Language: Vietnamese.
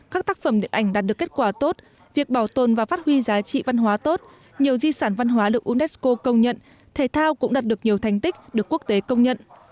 các tác phẩm điện ảnh đạt được kết quả tốt việc bảo tồn và phát huy giá trị văn hóa tốt nhiều di sản văn hóa được unesco công nhận thể thao cũng đạt được nhiều thành tích được quốc tế công nhận